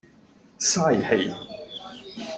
嘥氣